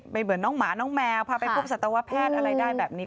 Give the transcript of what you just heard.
เหมือนน้องหมาน้องแมวพาไปพบสัตวแพทย์อะไรได้แบบนี้